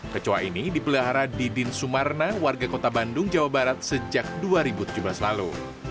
kecoa ini dipelihara didin sumarna warga kota bandung jawa barat sejak dua ribu tujuh belas lalu